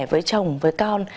với chồng với con